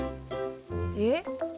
えっ？